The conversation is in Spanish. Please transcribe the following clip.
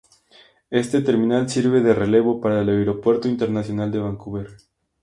Este terminal sirve de relevo para el Aeropuerto Internacional de Vancouver.